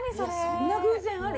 そんな偶然ある？